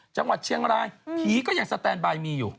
จังหวัดเชียงรายผีก็ยังสแตนบายมีอยู่